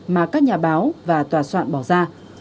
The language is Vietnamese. mà các nhà báo và tòa soạn bỏ ra